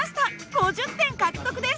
５０点獲得です！